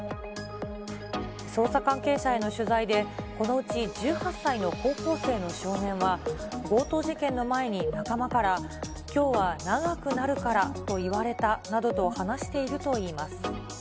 捜査関係者への取材で、このうち１８歳の高校生の少年は、強盗事件の前に仲間から、きょうは長くなるからと言われたなどと話しているといいます。